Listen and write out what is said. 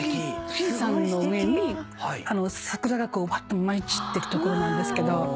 富士山の上に桜が舞い散ってるところなんですけど。